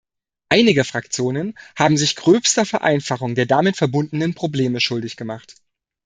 Einige Fraktionen haben sich gröbster Vereinfachung der damit verbundenen Probleme schuldig gemacht.